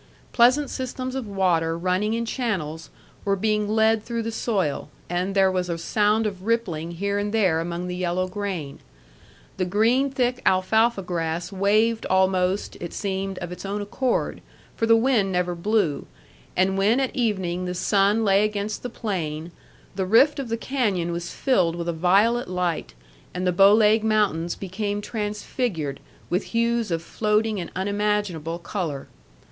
Pleasant systems of water running in channels were being led through the soil, and there was a sound of rippling here and there among the yellow grain; the green thick alfalfa grass waved almost, it seemed, of its own accord, for the wind never blew; and when at evening the sun lay against the plain, the rift of the canyon was filled with a violet light, and the Bow Leg Mountains became transfigured with hues of floating and unimaginable color.